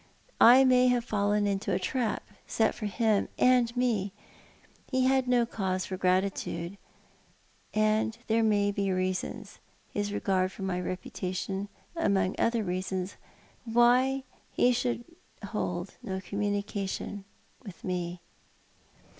I may have fallen into a trap set for him and me. He had no cause for gratitude, and there might be reasons — his s egard for my reputation among other reasons — why he should hold no communication with me."